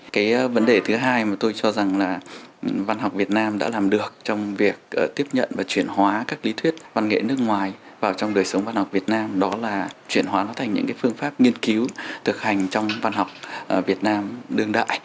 cái vấn đề thứ hai mà tôi cho rằng là văn học việt nam đã làm được trong việc tiếp nhận và chuyển hóa các lý thuyết văn nghệ nước ngoài vào trong đời sống văn học việt nam đó là chuyển hóa nó thành những cái phương pháp nghiên cứu thực hành trong văn học việt nam đương đại